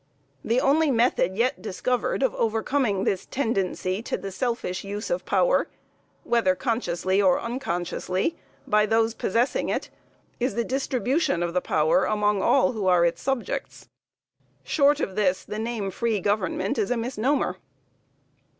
The only method yet discovered of overcoming this tendency to the selfish use of power, whether consciously or unconsciously, by those possessing it, is the distribution of the power among all who are its subjects. Short of this the name free government is a misnomer.